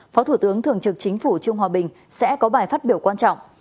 phó thủ tướng thường trực chính phủ trương hòa bình sẽ có bài phát biểu quan trọng